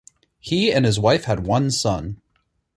He and his wife had one son.